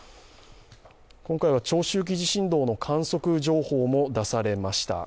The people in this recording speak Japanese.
今回は長周期地震動の観測情報も出されました。